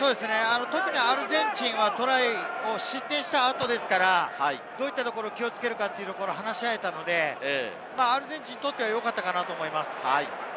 特にアルゼンチンは失点した後ですから、どういったところを気をつけるか話し合えたので、アルゼンチンにとっては良かったかなと思います。